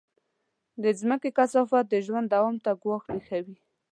د مځکې کثافات د ژوند دوام ته ګواښ پېښوي.